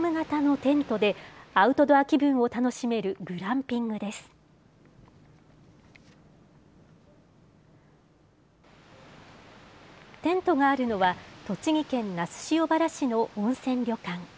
テントがあるのは、栃木県那須塩原市の温泉旅館。